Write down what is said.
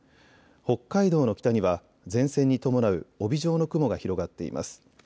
北海道の北には前線に伴う帯状の雲が広がっています。